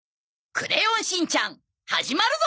『クレヨンしんちゃん』始まるぞ！